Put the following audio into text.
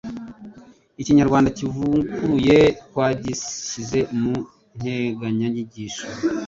Ikinyarwanda kivuguruye twagishyize mu nteganyanyigisho